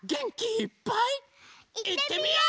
いってみよう！